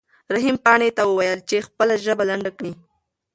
رحیم پاڼې ته وویل چې خپله ژبه لنډه کړي.